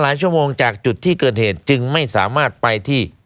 ชั่วโมงจากจุดที่เกิดเหตุจึงไม่สามารถไปที่